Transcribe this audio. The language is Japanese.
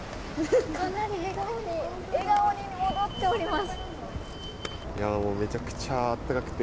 かなり笑顔に戻っております。